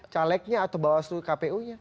calegnya atau bawas lu kpu nya